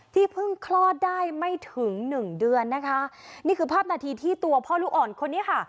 เพิ่งคลอดได้ไม่ถึงหนึ่งเดือนนะคะนี่คือภาพนาทีที่ตัวพ่อลูกอ่อนคนนี้ค่ะ